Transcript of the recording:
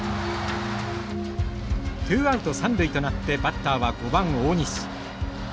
ツーアウト三塁となってバッターは５番大西。